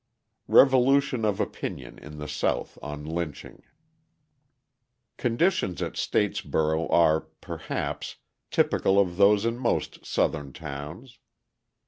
Revolution of Opinion in the South on Lynching Conditions at Statesboro are, perhaps, typical of those in most Southern towns.